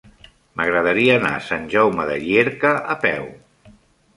M'agradaria anar a Sant Jaume de Llierca a peu.